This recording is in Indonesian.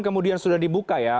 kemudian sudah dibuka ya